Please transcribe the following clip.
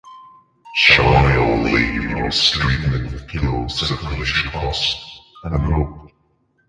Chai-on Lee, "Marx's Treatment of Pure Circulation Cost: A Note"